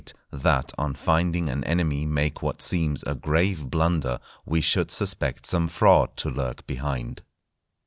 —_That on finding an Enemy make what seems a grave blunder, we should suspect some fraud to lurk behind.